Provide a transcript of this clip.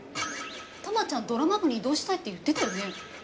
玉ちゃんドラマ部に異動したいって言ってたよね。